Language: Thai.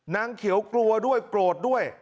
นางเขียวกลัวด้วยโกรธด้วย